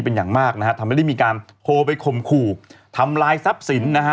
ทำให้มีการโพลไปคมขู่ทำลายทรัพย์สิน